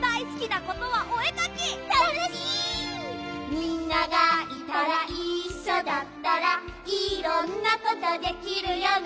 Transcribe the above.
「みんながいたら一緒だったらいろんなことできるよね」